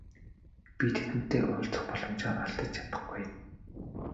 Би тэдэнтэй уулзах боломжоо алдаж чадахгүй.